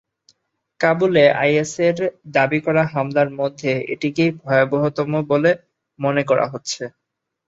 কাবুলে আইএসের দাবি করা হামলার মধ্যে এটিকেই ভয়াবহতম বলে মনে করা হচ্ছে।